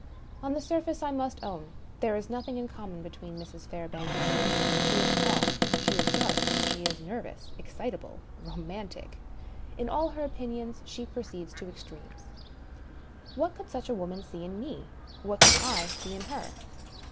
On the surface, I must own, there is nothing in common be tween Mrs. Fairbank and me. She is tall ; she is dark ; she is nervou^ excitable, romantic; in all her opinions she proceeds to extremes. What could such a woman see in me? what could I see in her?